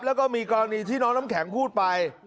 แล้วก็มีกรณีที่น้องน้ำแข็งพูดไป